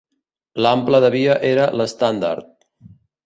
L'ample de via era l'estàndard.